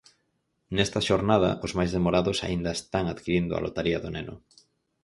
Nesta xornada os máis demorados aínda están adquirindo a lotaría do neno.